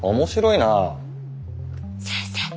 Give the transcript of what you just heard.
先生。